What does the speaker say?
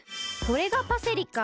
これがパセリか。